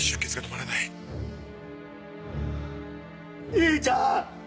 兄ちゃん！